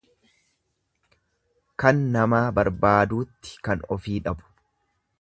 Kan namaa barbaaduutti kan ofii dhabu.